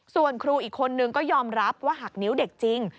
ส่วนครูอีกคนนึงก็ยอมรับว่าหักนิ้วเด็กจริง